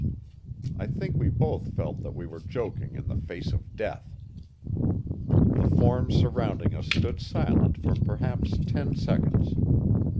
'" I think we both felt that we were joking in the face of death. The forms surrounding us stood silent for perhaps ten seconds.